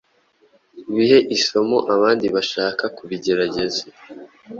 bihe isomo abandi bashaka kubigerageza